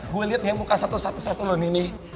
gue liat nih muka satu satu satu lo nih nih